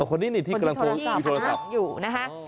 คนนี้นี่ที่กำลังมีโทรศัพท์อยู่นะคะ